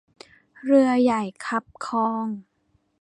เรือใหญ่คับคลอง